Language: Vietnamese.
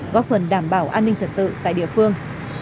góp phần đảm bảo an ninh trật tự tại địa phương